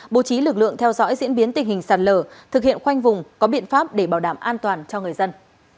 bố trí lực lượng theo dõi diễn biến tình hình sạt lở thực hiện khoanh vùng có biện pháp để bảo đảm an toàn cho người dân